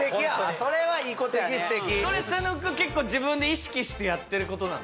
それ佐野君結構自分で意識してやってることなの？